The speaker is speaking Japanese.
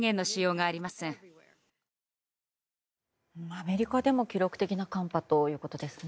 アメリカでも記録的な寒波ということですね。